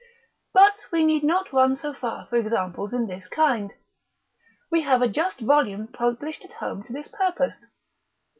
But we need not run so far for examples in this kind, we have a just volume published at home to this purpose.